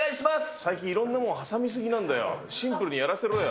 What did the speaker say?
最近、いろんなもの挟み過ぎなんだよ、シンプルにやらせろよ。